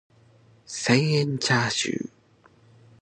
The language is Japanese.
千円チャーシュー